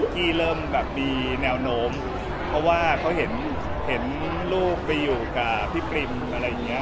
ที่เริ่มแบบมีแนวโน้มเพราะว่าเขาเห็นลูกไปอยู่กับพี่ปริมอะไรอย่างนี้